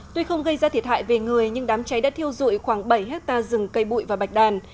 tuy không gây ra thiệt hại về người nhưng đám cháy đã thiêu dụi khoảng bảy hectare rừng cây bụi và bạch đàn